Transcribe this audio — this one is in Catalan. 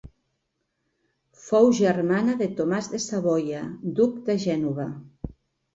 Fou germana de Tomàs de Savoia, duc de Gènova.